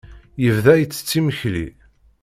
Yebda ittett imekli.